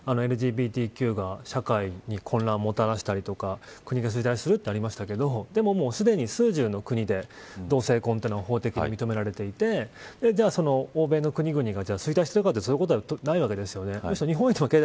党のＬＧＢＴＱが社会に混乱をもたらしたりとか国が衰退するってありましたけどでも、すでに数十の国で同性婚が法的に認められていてじゃあ、その欧米の国々が衰退しているかっていったらそういうことはないわけです。